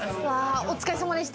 お疲れ様でした。